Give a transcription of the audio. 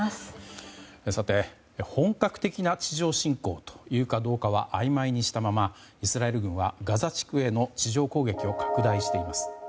さて、本格的な地上侵攻というかどうかはあいまいにしたままイスラエル軍はガザ地区への地上攻撃を拡大しています。